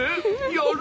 やる！